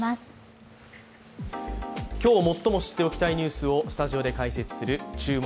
今日最も知っておきたいニュースをスタジオで解説する「注目！